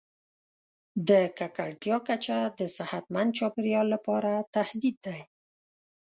د ککړتیا کچه د صحتمند چاپیریال لپاره تهدید دی.